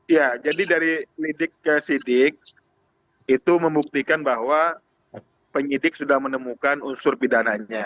ya jadi dari lidik ke sidik itu membuktikan bahwa penyidik sudah menemukan unsur pidananya